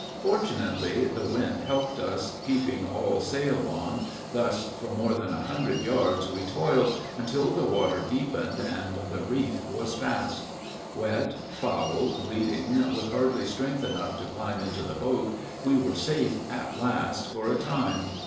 Fortunately, the wind helped us; keeping all sail on, thus for more than a hundred yards we toiled, until the water deepened and the reef was passed. Wet, foul, bleeding, with hardly strength enough to climb into the boat, we were safe at last for a time.